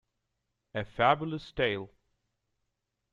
A fabulous tale.